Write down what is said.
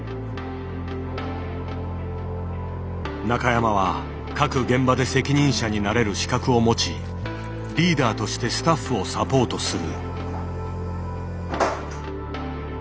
中山は各現場で責任者になれる資格を持ちリーダーとしてスタッフをサポートする。